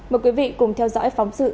mời quý vị cùng theo dõi phóng sự